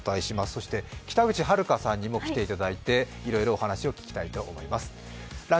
そして北口榛花さんにも来ていただいていろいろお話を聞きたいと思います。